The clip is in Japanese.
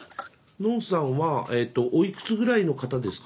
ノンさんはえとおいくつぐらいの方ですか？